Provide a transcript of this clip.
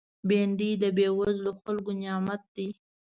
بېنډۍ د بېوزلو خلکو نعمت دی